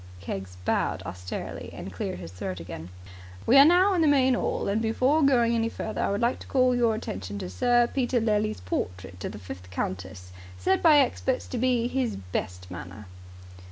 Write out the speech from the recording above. Keggs bowed austerely, and cleared his throat again. "We are now in the main 'all, and before going any further I would like to call your attention to Sir Peter Lely's portrait of the fifth countess. Said by experts to be in his best manner."